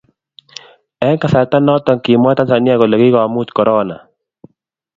eng kasarta noto kimwa tanzania kole kikomuch chorona